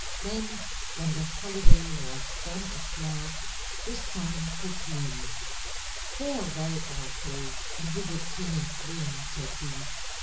Then, when the holiday was done at last, the Sun took leave. "Farewell, all folk, and you good king and queen," said he.